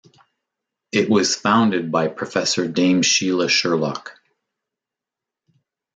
It was founded by Professor Dame Sheila Sherlock.